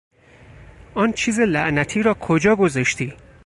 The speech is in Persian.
آن چیز لعنتی را کجا گذاشتی؟